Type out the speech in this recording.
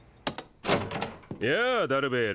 やあダルベール。